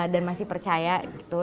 dan masih percaya gitu